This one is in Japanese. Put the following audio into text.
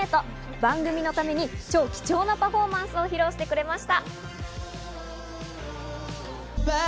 番組のために超貴重なパフォーマンスを披露してくれました。